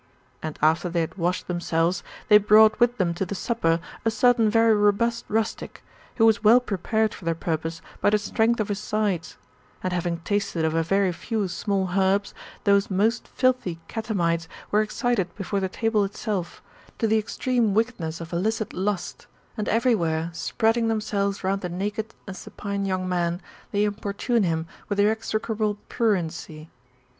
And after they had washed themselves, they brought with them to the supper a certain very robust rustic, who was well prepared for their purpose by the strength of his sides ; and having tasted of a very few small herbs, those most filthy catamites were excited before the table itself, to the extreme wickedness of illicit lust, and every where spreading themselves round the naked and supine young man, they im portune him with their execrable pruriency.